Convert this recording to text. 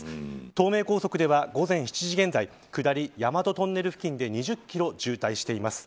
東名高速では、午前７時現在下り大和トンネル付近で２０キロ渋滞しています。